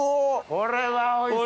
これはおいしそう。